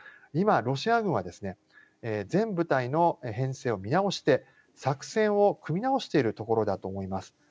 今、ロシア軍は全部隊の編成を見直して作戦を組み直しているところだと思います。